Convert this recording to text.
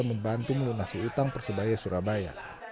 membantu melunasi utang persebaya surabaya